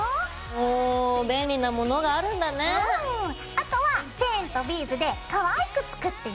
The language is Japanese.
あとはチェーンとビーズでかわいく作ってね。